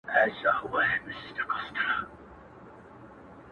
پر مین سول که قاضیان که وزیران وه!.